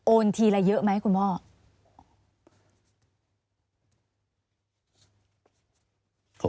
ทีละเยอะไหมคุณพ่อ